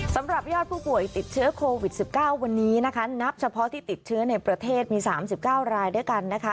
สำหรับยอดผู้ป่วยติดเชื้อโควิด๑๙วันนี้นะคะนับเฉพาะที่ติดเชื้อในประเทศมี๓๙รายด้วยกันนะคะ